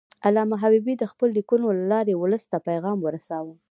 علامه حبیبي د خپلو لیکنو له لارې ولس ته پیغام ورساوه.